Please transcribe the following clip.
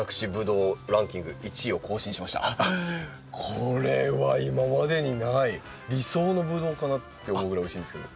これは今までにない理想のブドウかなって思うぐらいおいしいんですけど。